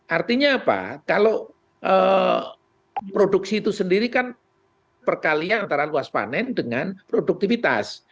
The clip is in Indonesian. artinya apa kalau produksi itu sendiri kan perkalian antara luas panen dengan produktivitas